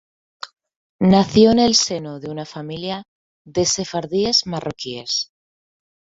Nació en el seno de una familia de sefardíes marroquíes.